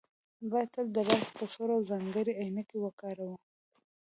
باید تل د لاس کڅوړې او ځانګړې عینکې وکاروئ